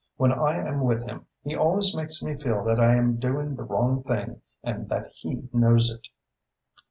When I am with him, he always makes me feel that I am doing the wrong thing and that he knows it."